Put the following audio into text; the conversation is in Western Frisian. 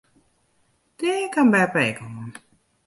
Dêr kaam beppe ek oan.